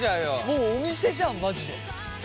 もうお店じゃんマジで。